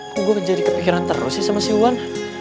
kok gue menjadi kepikiran terlalu sih sama si wan